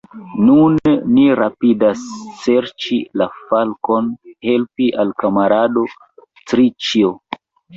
Nun ni rapidas serĉi la falkon, helpi al kamarado Triĉjo.